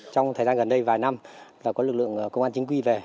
trong thời gian gần đây vài năm là có lực lượng công an chính quy về